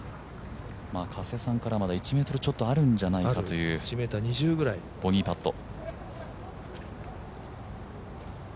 加瀬さんからまだ１ｍちょっとあるんじゃないかというボギーパット。